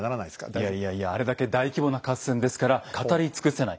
いやいやいやあれだけ大規模な合戦ですから語り尽くせない。